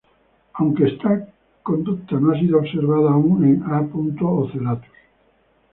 Aunque esta conducta no ha sido observada aún en "A. ocellatus".